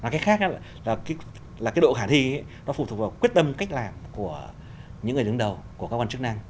cái khác là cái độ khả thi nó phụ thuộc vào quyết tâm cách làm của những người đứng đầu của cơ quan chức năng